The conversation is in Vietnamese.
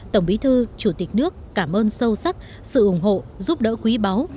tổng bí thư chủ tịch nước cảm ơn sâu sắc sự ủng hộ giúp đỡ quý báu